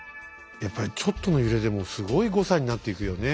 やっぱりちょっとの揺れでもすごい誤差になっていくよね。